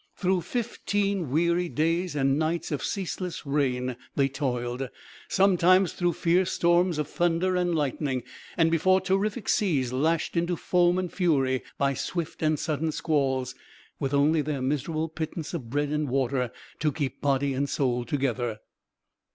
Through fifteen weary days and nights of ceaseless rain they toiled, sometimes through fierce storms of thunder and lightning, and before terrific seas lashed into foam and fury by swift and sudden squalls, with only their miserable pittance of bread and water to keep body and soul together.